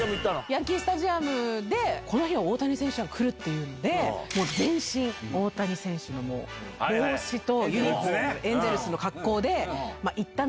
ヤンキー・スタジアムでこの日は大谷選手が来るっていうんで、もう全身、大谷選手の帽子とユニホーム、エンゼルスの格好で行っ